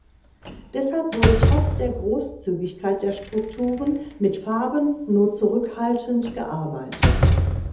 Deshalb wurde trotz der Großzügigkeit der Strukturen mit Farben nur zurückhaltend gearbeitet.